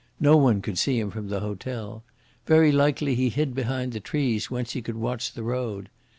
No one could see him from the hotel. Very likely he hid behind the trees, whence he could watch the road.